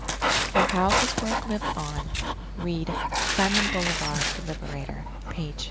_For how his work lived on, read Simon Bolivar the Liberator, page 371.